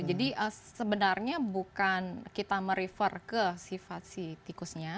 jadi sebenarnya bukan kita merefer ke sifat si tikusnya